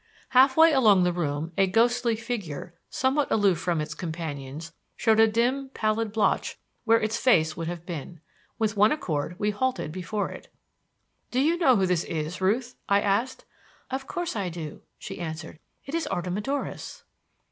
Half way along the room a ghostly figure, somewhat aloof from its companions, showed a dim, pallid blotch where its face would have been. With one accord we halted before it. "Do you know who this is, Ruth?" I asked. "Of course I do," she answered. "It is Artemidorus."